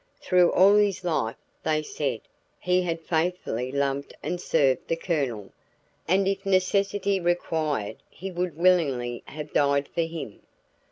Through all his life, they said, he had faithfully loved and served the Colonel, and if necessity required, he would willingly have died for him.